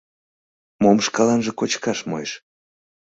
Мом шкаланже кочкаш муэш?